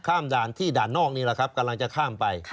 ด่านที่ด่านนอกนี่แหละครับกำลังจะข้ามไป